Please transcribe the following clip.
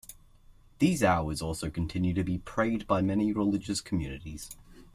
These hours also continue to be prayed by many religious communities.